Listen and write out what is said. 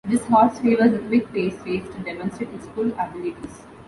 This horse favors a quick pace race to demonstrate its full abilities.